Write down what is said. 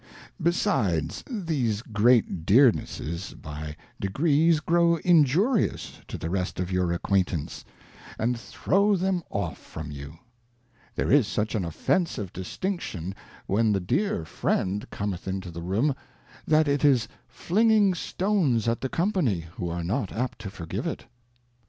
Besides, these great Dearnesses by degrees grow Injurious to the rest of your Acquaintance, and .,.,,„.^ D throw 34 Advice to a Daughter. throw them off from you. There is such an Offensive Distinction when the Dear Friend cometh into the Room, that it is flinging Stones at the Company, who are not apt to forgive it.